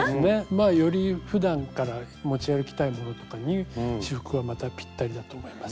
まあよりふだんから持ち歩きたいものとかに仕覆はまたぴったりだと思います。